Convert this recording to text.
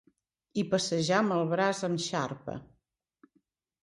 I passejar amb el braç en xarpa